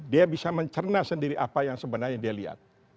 dia bisa mencerna sendiri apa yang sebenarnya dia lihat